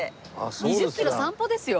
２０キロ散歩ですよ。